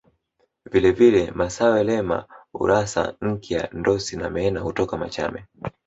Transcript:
Vile vile Massawe Lema Urassa Nkya Ndosi na Meena hutoka Machame